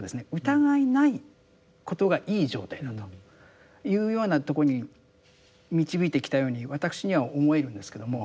疑いないことがいい状態だというようなとこに導いてきたように私には思えるんですけども。